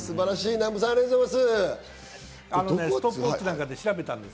南部さん、ありがとうございます。